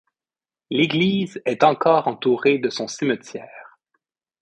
L'église est encore entouré de son cimetière.